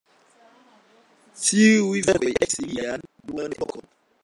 Tiuj verkoj ekis lian "bluan epokon".